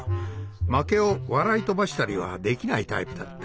負けを笑い飛ばしたりはできないタイプだった。